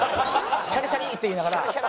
シャリシャリっていいながら。